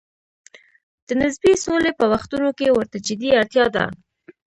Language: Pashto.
د نسبي سولې په وختونو کې ورته جدي اړتیا ده.